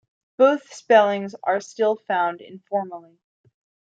Both spellings are still found informally.